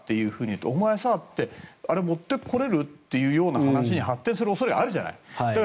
お前、あれ持ってこれる？っていう話に発展する恐れがあるじゃない。